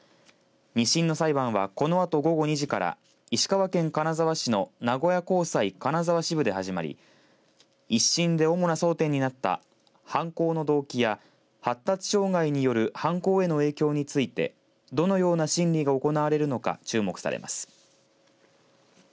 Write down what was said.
２審の裁判はこのあと午後２時から石川県金沢市の名古屋高裁金沢支部で始まり１審で主な争点になった犯行の動機や発達障害による犯行への影響についてどのような審理が行われるのか注目されます。